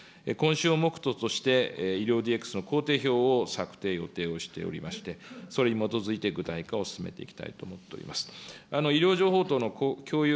今週を目途として、医療ＤＸのこうていひょうを策定、予定をしておりまして、それに基づいて、具体化を進めていきたいと思っております。